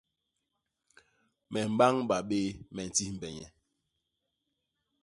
Me mbañba béé, me timbhe nye.